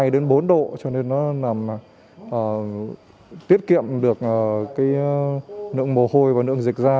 hai đến bốn độ cho nên nó tiết kiệm được cái nượng mồ hôi và nượng dịch da